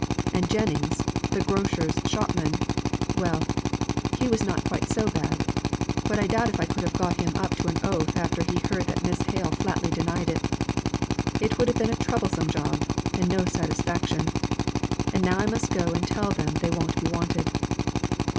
And Jennings, the grocer's shopman, well, he was not quite so bad, but I doubt if I could have got him up to an oath after he heard that Miss Hale flatly denied it. It would have been a troublesome job and no satisfaction. And now I must go and tell them they won't be wanted."